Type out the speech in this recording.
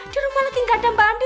di rumah lagi nggak ada mbak andi